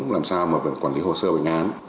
làm sao mà quản lý hồ sơ bệnh án